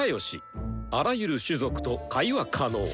あらゆる種族と会話可能。